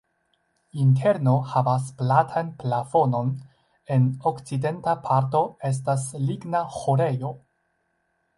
Interno havas platan plafonon, en okcidenta parto estas ligna ĥorejo.